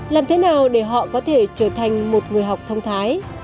làm thế nào để họ có thể trở thành một người học thông thái